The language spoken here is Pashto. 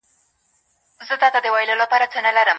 د ښځو ونډه په اقتصاد کي مهمه ده.